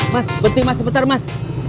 mas beti mas sebentar mas